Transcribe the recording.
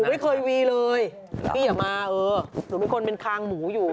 ไม่เคยวีเลยพี่อย่ามาเออหนูเป็นคนเป็นคางหมูอยู่